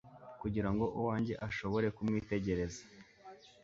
Kugira ngo uwanjye ashobore kumwitegereza